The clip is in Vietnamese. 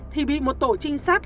thì bị một tổ trinh sát